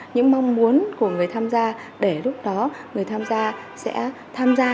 những mong muốn của người tham gia để lúc đó người tham gia sẽ tham gia